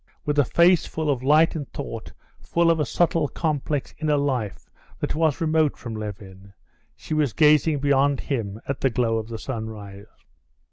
With a face full of light and thought, full of a subtle, complex inner life, that was remote from Levin, she was gazing beyond him at the glow of the sunrise.